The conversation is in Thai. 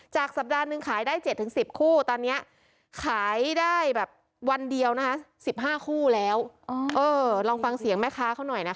สัปดาห์หนึ่งขายได้๗๑๐คู่ตอนนี้ขายได้แบบวันเดียวนะคะ๑๕คู่แล้วลองฟังเสียงแม่ค้าเขาหน่อยนะคะ